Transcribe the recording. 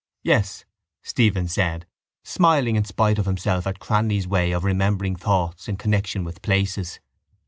—Yes, Stephen said, smiling in spite of himself at Cranly's way of remembering thoughts in connexion with places.